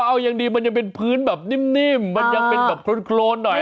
เอายังดีมันยังเป็นพื้นแบบนิ่มมันยังเป็นแบบโครนหน่อย